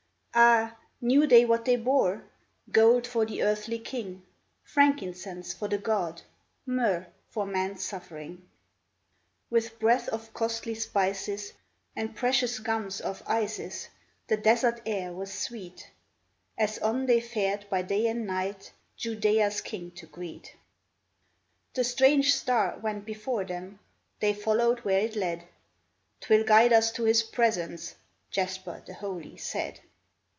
Ah ! knew they what they bore ? Gold for the earthly king — Frankincense for the God — Myrrh for man's suffering. With breath of costly spices And precious gums of Isis, The desert air was sweet, As on they fared by day and night Judea's King to greet. THE LEGEND OF THE BABOUSHKA 401 The strange star went before them, They followed where it led ;'^ 'Twill guide us to His presence," Jasper, the holy, said.